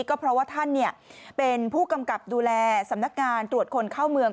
ก็เพราะว่าท่านเป็นผู้กำกับดูแลสำนักงานตรวจคนเข้าเมือง